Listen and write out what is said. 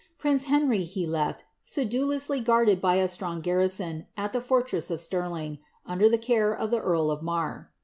Prince Henry he left, sedulously guarded bv a strong garrison, at the fortress of Stirling, under the care of the earl of Marr.